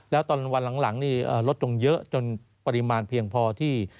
แล้วตอนวันหลังนี่ลดลงเยอะจนปริมาณเพียงพอที่